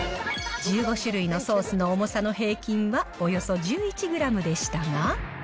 １５種類のソースの重さの平均はおよそ１１グラムでしたが。